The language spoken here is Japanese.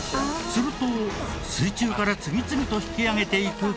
すると水中から次々と引き揚げていくケースの中に。